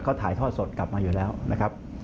เขาถ่ายทอดสดกลับมาอยู่แล้วนะครับ